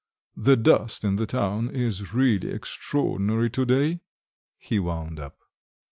the dust in the town is really extraordinary to day," he wound up.